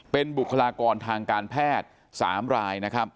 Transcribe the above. เป็นบุคลากรทางการแพทย์๓ราย